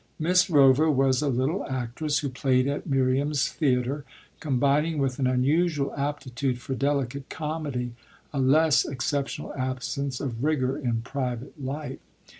Miss Rover was a little actress who played at Miriam's theatre, combining with an unusual aptitude for delicate comedy a less exceptional absence of rigour in private life.